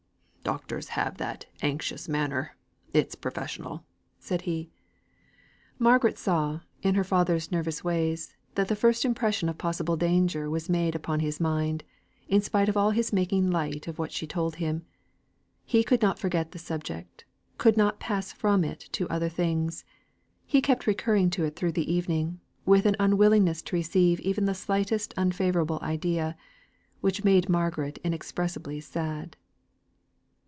"Doctors have that anxious manner; its professional," said he. Margaret saw, in her father's nervous ways, that the first impression of possible danger was made upon his mind, in spite of all his making light of what she told him. He could not forget the subject, could not pass from it to other things; he kept recurring to it through the evening, with an unwillingness to receive even the slightest unfavourable idea, which made Margaret inexpressibly sad.